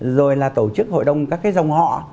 rồi là tổ chức hội đồng các dòng họ